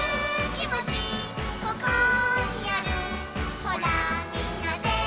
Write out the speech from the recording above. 「ここにあるほらみんなで」